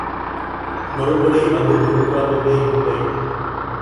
மறுபடி அது ஒன்றாகவே இல்லை!